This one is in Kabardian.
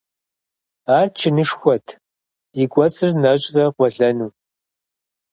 Ар чынышхуэт, и кӀуэцӀыр нэщӀрэ къуэлэну .